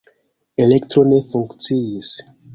Elektro ne funkciis.